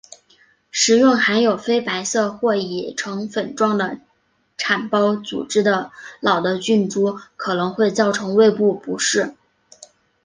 食用含有非白色或已成粉状的产孢组织的老的菌株可能会造成胃部不适。